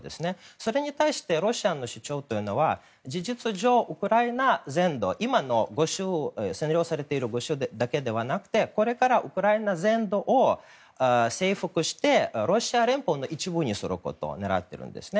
それに対して、ロシアの主張は事実上、ウクライナ全土今の占領されている５州だけではなくてこれからウクライナ全土を征服してロシア連邦の一部にすることを狙っているんですね。